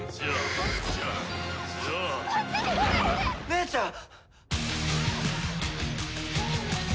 姉ちゃん！